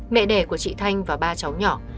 mẹ đẻ của chị thanh và ba cháu nhỏ